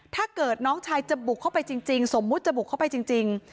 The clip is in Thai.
ถ้าเกิดน้องชายจะบุกเข้าไปจริงสมมุติจะบุกเข้าไปจริง